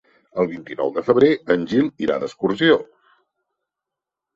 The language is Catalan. El vint-i-nou de febrer en Gil irà d'excursió.